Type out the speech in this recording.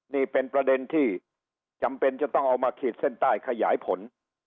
นี่เป็นประเด็นที่จำเป็นจะต้องเอามาขีดเส้นใต้ขยายผล